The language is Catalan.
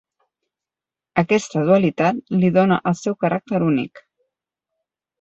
Aquesta dualitat li dóna el seu caràcter únic.